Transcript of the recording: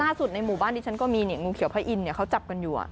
ในหมู่บ้านที่ฉันก็มีงูเขียวพระอินทเขาจับกันอยู่